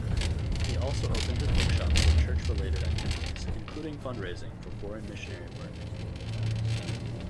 He also opened his bookshop for church-related activities, including fundraising for foreign missionary work.